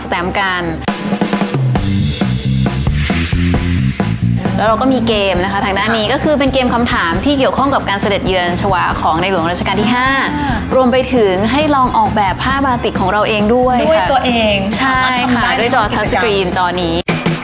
ที่เกี่ยวข้องกับการเสด็จเยือนชวาของในหลวงรัชการที่ห้าค่ะรวมไปถึงให้ลองออกแบบผ้าบาติกของเราเองด้วยค่ะด้วยตัวเองใช่มาด้วยจอจอนี้